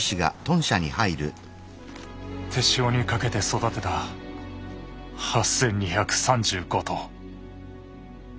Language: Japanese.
手塩にかけて育てた８，２３５頭。